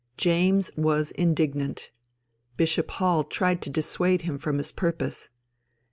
James was indignant. Bishop Hall tried to dissuade him from his purpose.